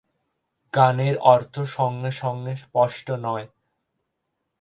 গানের অর্থ সঙ্গে সঙ্গে স্পষ্ট নয়।